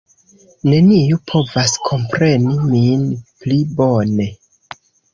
Neniu povas kompreni min pli bone.